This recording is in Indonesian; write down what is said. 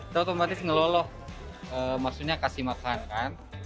dia otomatis ngeloloh maksudnya kasih makan kan